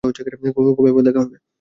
কবে আবার দেখা হইবে?